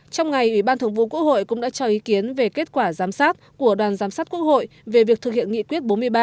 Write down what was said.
trong ngày ủy ban thường vụ quốc hội cũng đã cho ý kiến về kết quả giám sát của đoàn giám sát quốc hội về việc thực hiện nghị quyết bốn mươi ba